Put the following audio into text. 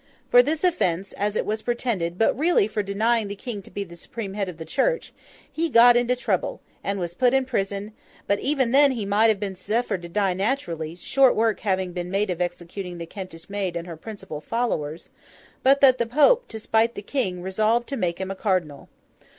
For this offence—as it was pretended, but really for denying the King to be the supreme Head of the Church—he got into trouble, and was put in prison; but, even then, he might have been suffered to die naturally (short work having been made of executing the Kentish Maid and her principal followers), but that the Pope, to spite the King, resolved to make him a cardinal.